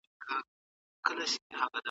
مقاومت کول د هر چا په وس کې نه وي.